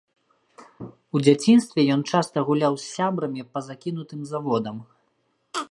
У дзяцінстве ён часта гуляў з сябрамі па закінутым заводам.